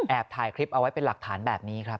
ถ่ายคลิปเอาไว้เป็นหลักฐานแบบนี้ครับ